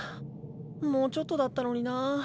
もうちょっとだったのになぁ。